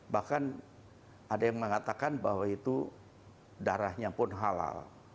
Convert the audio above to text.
bahkan ada yang mengatakan bahwa itu darahnya pun halal